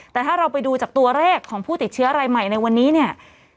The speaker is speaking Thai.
แต่ถ้าเราไปดูจากตัวเลขของผู้ติดเชื้อรายใหม่ในวันนี้เนี่ย